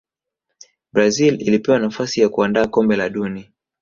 brazil ilipewa nafasi ya kuandaa kombe la duni